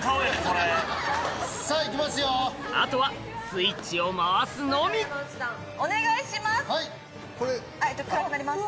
あとはスイッチを回すのみお願いします！